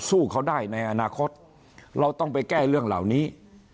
สู้เขาได้ในอนาคตเราต้องไปแก้เรื่องเหล่านี้